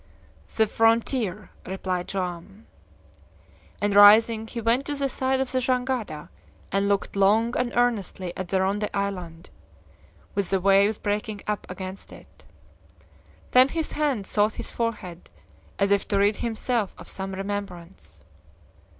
"The frontier!" replied Joam. And rising, he went to the side of the jangada, and looked long and earnestly at the Ronde Island, with the waves breaking up against it. Then his hand sought his forehead, as if to rid himself of some remembrance.